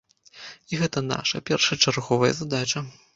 І гэта наша першачарговая задача.